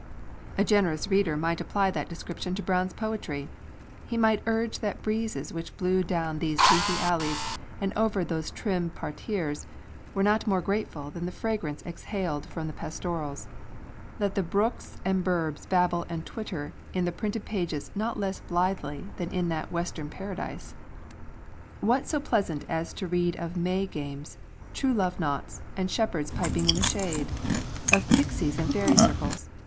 A generous reader might apply that description to Browne's poetry; he might urge that the breezes which blew down these leafy alleys and over those trim parterres were not more grateful than the fragrance exhaled from the 'Pastorals'; that the brooks and birds babble and twitter in the printed page not less blithely than in that western Paradise. What so pleasant as to read of May games, true love knots, and shepherds piping in the shade? of pixies and fairy circles?